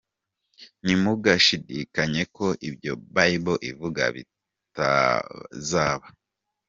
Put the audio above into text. Ntimugashidikanye ko ibyo Bible ivuga bitazaba.